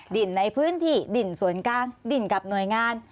ดินในพื้นที่ดินส่วนกลางดินกับหน่วยงาน